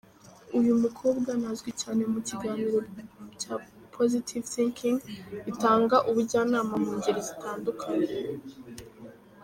Uyu mukobwa anazwi cyane mu biganiro bya “Positive Thinking” bitanga ubujyanama mu ngeri zitandukanye.